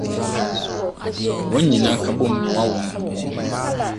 Wɔn nyinaa ka bom boa wɔn ho wɔn ho.